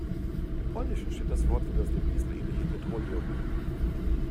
Im Polnischen steht das Wort für das dem Diesel ähnliche Petroleum.